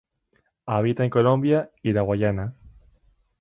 Habita en Colombia y la Guayana.